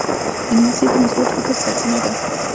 انګلیسي د مثبت فکر سرچینه ده